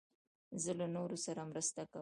زه له نورو سره مرسته کوم.